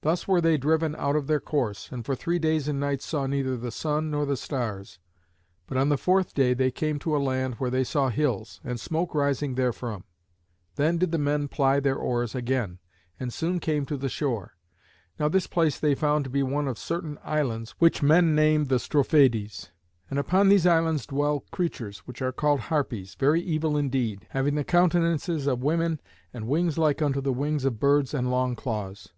Thus were they driven out of their course, and for three days and nights saw neither the sun nor the stars. But on the fourth day they came to a land where they saw hills, and smoke rising therefrom. Then did the men ply their oars amain, and soon came to the shore. Now this place they found to be one of certain islands which men name the Strophades. And upon these islands dwell creatures which are called Harpies, very evil indeed, having the countenances of women and wings like unto the wings of birds and long claws.